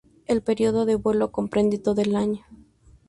El periodo de vuelo comprende todo el año.